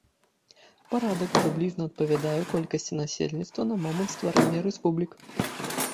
Парадак прыблізна адпавядае колькасці насельніцтва на момант стварэння рэспублік.